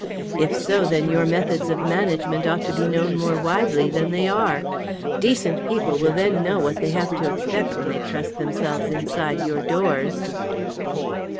If so, then your methods of management ought to be known more widely than they are. Decent people will then know what they have to expect when they trust themselves inside your doors."